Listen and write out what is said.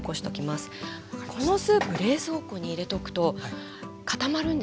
このスープ冷蔵庫に入れておくと固まるんですよ。